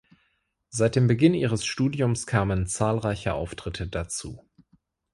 Seit dem Beginn ihres Studiums kamen zahlreiche Auftritte dazu.